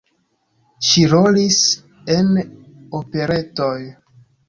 Ŝi rolis en operetoj.